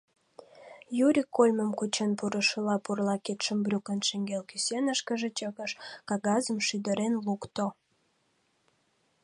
Юрик кольмым кучен пурышыла, пурла кидшым брюкын шеҥгел кӱсенышкыже чыкыш, кагазым шӱдырен лукто.